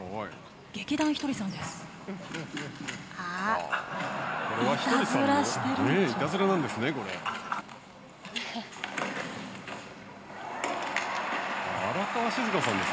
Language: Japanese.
劇団ひとりさんです。